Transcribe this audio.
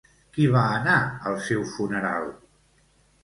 Qui va anar al seu funeral?